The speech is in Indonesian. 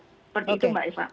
seperti itu mbak eva